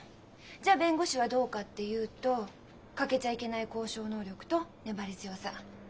じゃあ弁護士はどうかっていうと欠けちゃいけない交渉能力と粘り強さ。